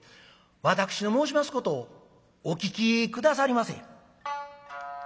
私の申しますことをお聞き下さりませ」。